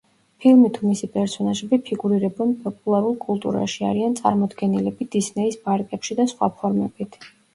ფილმი თუ მისი პერსონაჟები ფიგურირებენ პოპულარულ კულტურაში, არიან წარმოდგენილები დისნეის პარკებში და სხვა ფორმებით.